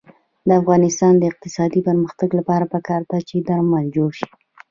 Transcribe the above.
د افغانستان د اقتصادي پرمختګ لپاره پکار ده چې درمل جوړ شي.